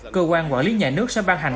cơ quan quản lý nhà nước sẽ ban hành